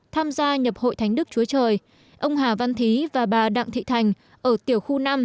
tham gia nhập hội thánh đức chúa trời ông hà văn thí và bà đặng thị thành ở tiểu khu năm